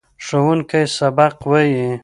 ښوونکی سبق وايي.